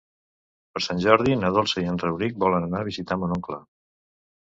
Per Sant Jordi na Dolça i en Rauric volen anar a visitar mon oncle.